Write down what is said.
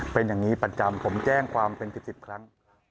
เป็นอย่างนี้ประจำผมแจ้งความเป็น๑๐ครั้ง